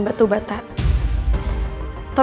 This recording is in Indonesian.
masuk ke dalam